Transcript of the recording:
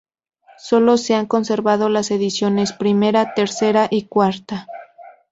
Solo se han conservado las ediciones primera, tercera y cuarta.